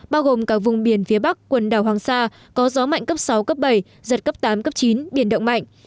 bao gồm cả vùng biển phía bắc quần đảo hoàng sa có gió mạnh cấp sáu cấp bảy giật cấp tám cấp chín biển động mạnh